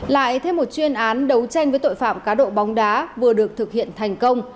lại thêm một chuyên án đấu tranh với tội phạm cá độ bóng đá vừa được thực hiện thành công